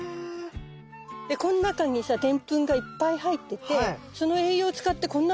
でこの中にさでんぷんがいっぱい入っててその栄養を使ってこんな大きな芽生えになったの。